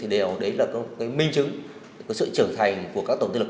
đấy là một minh chứng của sự trưởng thành của các tổng tiền lực